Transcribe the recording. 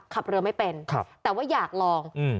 ขับเรือไม่เป็นครับแต่ว่าอยากลองอืม